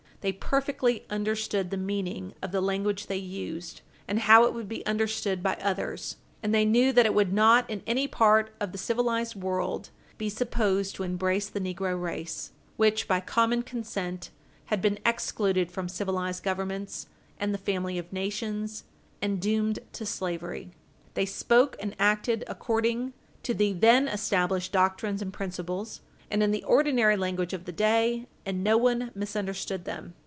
They perfectly understood the meaning of the language they used, and how it would be understood by others, and they knew that it would not in any part of the civilized world be supposed to embrace the negro race, which, by common consent, had been excluded from civilized Governments and the family of nations, and doomed to slavery. They spoke and acted according to the then established doctrines and principles, and in the ordinary language of the day, and no one misunderstood them.